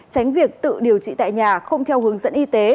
tránh việc tự điều trị tại nhà không theo hướng dẫn y tế